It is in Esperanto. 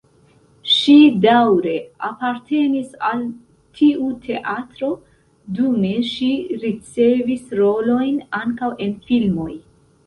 Ŝi daŭre apartenis al tiu teatro, dume ŝi ricevis rolojn ankaŭ en filmoj.